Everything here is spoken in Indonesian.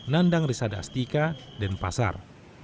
nandang risadastika dan pasar